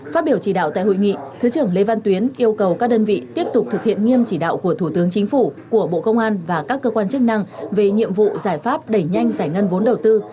phát biểu chỉ đạo tại hội nghị thứ trưởng lê văn tuyến yêu cầu các đơn vị tiếp tục thực hiện nghiêm chỉ đạo của thủ tướng chính phủ của bộ công an và các cơ quan chức năng về nhiệm vụ giải pháp đẩy nhanh giải ngân vốn đầu tư